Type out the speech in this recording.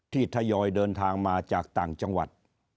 ทยอยเดินทางมาจากต่างจังหวัด